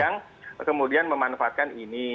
yang kemudian memanfaatkan ini